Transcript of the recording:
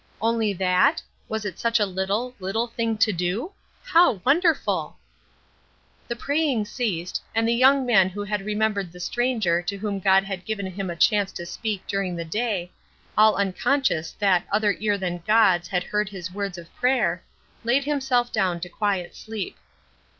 '" Only that? Was it such a little, little thing to do? How wonderful! The praying ceased, and the young man who had remembered the stranger to whom God had given him a chance to speak during the day, all unconscious that other ear than God's had heard his words of prayer, laid himself down to quiet sleep.